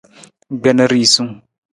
Gbena risung.